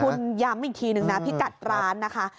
คุณย้ำอีกทีนึงนะพิกัดร้านนะคะ